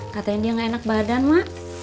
katanya dia gak enak badan mak